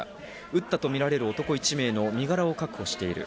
撃ったとみられる男１名の身柄を確保している。